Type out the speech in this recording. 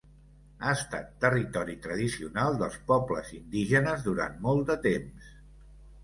Ha estat territori tradicional dels pobles indígenes durant molt de temps.